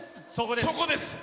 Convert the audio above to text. そこです。